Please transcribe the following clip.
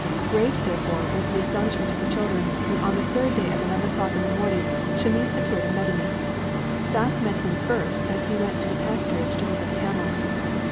Great, therefore, was the astonishment of the children, when on the third day at eleven o'clock in the morning Chamis appeared in Medinet. Stas met him first as he went to the pasturage to look at the camels.